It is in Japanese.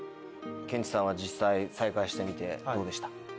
ケンチさんは実際再開してみてどうでした？